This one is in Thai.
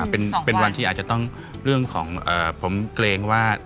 อ่าเป็นสองวันเป็นวันที่อาจจะต้องเรื่องของเอ่อผมเกรงว่า